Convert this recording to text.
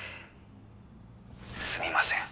すみません。